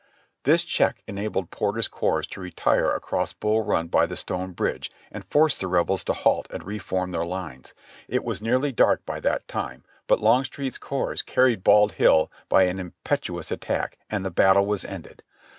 This check enabled Porter's corps to retire across Bull Run by the stone bridge, and forced the Rebels to halt and reform their lines. It was nearly dark by that time, but Longstreet's corps carried Bald Hill by an impetuous attack, and the battle was ended.